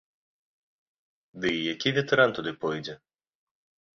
Ды і які ветэран туды пойдзе?!